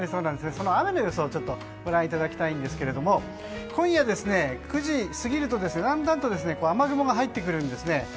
その雨の予想をご覧いただきたいんですが今夜９時を過ぎるとだんだんと雨雲が入ってくるんですね。